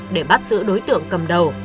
để bắt giữ đối tượng cầm đầu